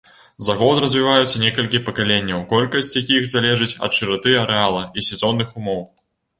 За год развіваюцца некалькі пакаленняў, колькасць якіх залежыць ад шыраты арэала і сезонных умоў.